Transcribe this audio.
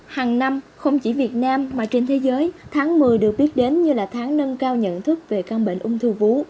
hàng năm không chỉ việt nam mà trên thế giới tháng một mươi được biết đến như là tháng nâng cao nhận thức về căn bệnh ung thư vú